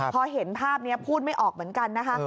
พอเห็นภาพนี้พูดไม่ออกเหมือนกันนะคะ